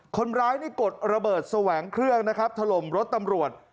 คนร้ายกดระเบิดแสวงเครื่องถล่มรถตำรวจ